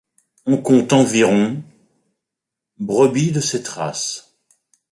On compte environ brebis de cette race.